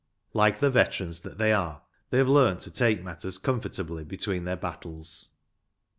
Like the veterans that they are, they have learnt to take matters comfortably between their battles.